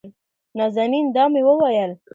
نازنين: دا مې وېل